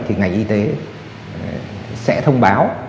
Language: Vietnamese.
thì ngành y tế sẽ thông báo